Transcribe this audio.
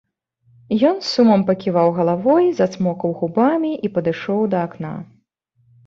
Ён з сумам паківаў галавой, зацмокаў губамі і падышоў да акна.